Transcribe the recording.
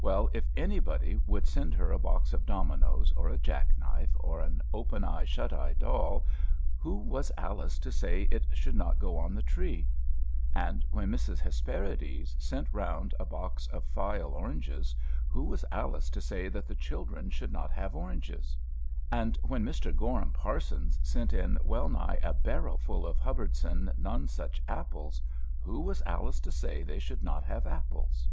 Well, if anybody would send her a box of dominos, or a jack knife, or an open eye shut eye doll, who was Alice to say it should not go on the tree? and when Mrs. Hesperides sent round a box of Fayal oranges, who was Alice to say that the children should not have oranges? And when Mr. Gorham Parsons sent in well nigh a barrel full of Hubbardston None such apples, who was Alice to say they should not have apples?